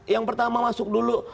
yang pertama masuk dulu